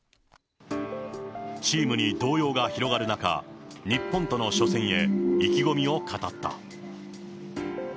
チームに動揺が広がる中、日本との初戦へ意気込みを語った。